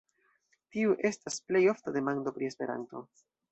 Tiu estas plej ofta demando pri Esperanto.